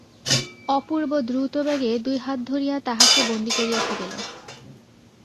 অপূর্ব দ্রুতবেগে দুই হাত ধরিয়া তাহাকে বন্দী করিয়া ফেলিল।